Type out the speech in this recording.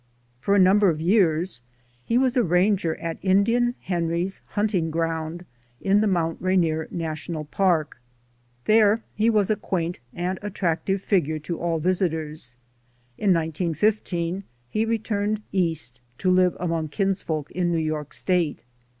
For a number of years he was a ranger at Indian Henry's Hunting Ground in the Mount Rainier National Park. There he was a quaint and attractive figure to all visitors. In 191 5, he returned East to live among kinsfolk in New York State.